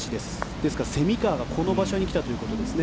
ですから、蝉川がこの場所に来たということですね。